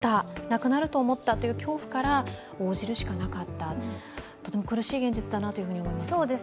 その居場所を奪われると思った、なくなると思ったという恐怖から応じるしかなかった、とても苦しい現実だなと思います。